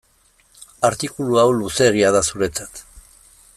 Artikulu hau luzeegia da zuretzat.